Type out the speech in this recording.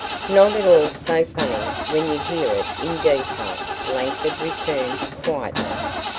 "Not at all so funny when you hear it in detail," Langford returned quietly.